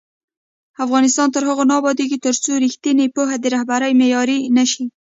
افغانستان تر هغو نه ابادیږي، ترڅو ریښتینې پوهه د رهبرۍ معیار نه شي.